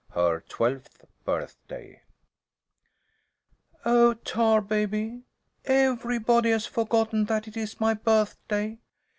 HER TWELFTH BIRTHDAY "Oh, Tarbaby! Everybody has forgotten that it is my birthday!